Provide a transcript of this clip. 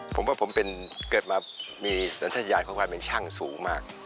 ผมว่าผมเป็นเกิดมามีสันทยานของความเป็นช่างสูงมาก